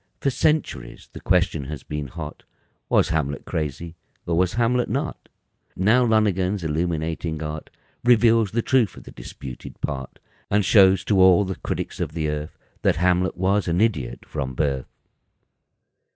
For centuries the question has been hot: Was Hamlet crazy, or was Hamlet not? Now, Lonergan's illuminating art Reveals the truth of the disputed "part," And shows to all the critics of the earth That Hamlet was an idiot from birth!